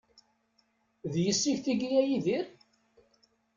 D yessi-k tigi, a Yidir?